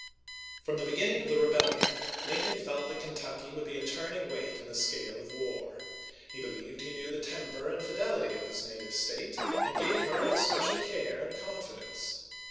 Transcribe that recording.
^^fi From the beginning of the rebellion, Lincoln felt chap. xii. that Kentucky would be a turning weight in the scale of war. He believed he knew the temper and fidelity of his native State," and gave her his special care and confidence.